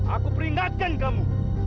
aku peringatkan kamu